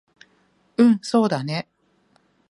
うんそうだね